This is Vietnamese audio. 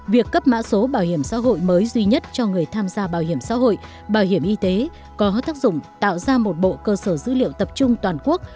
việc cấp mã số bảo hiểm xã hội mới duy nhất cho người tham gia bảo hiểm xã hội bảo hiểm y tế có tác dụng tạo ra một bộ cơ sở dữ liệu tập trung toàn quốc